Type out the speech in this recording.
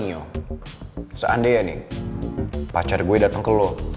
seandainya nih pacar gue datang ke lo